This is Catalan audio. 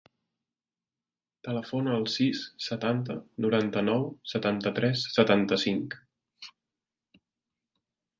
Telefona al sis, setanta, noranta-nou, setanta-tres, setanta-cinc.